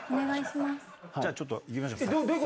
じゃあちょっといきましょう。